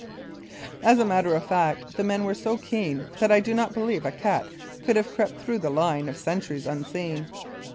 As a matter of fact, the men were so keen that I do not believe a cat could have crept through the line of sentries unseen.